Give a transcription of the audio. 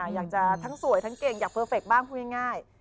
อยากจะทั้งสวยทั้งเก่งอยากเพอร์เฟคบ้างพูดง่าย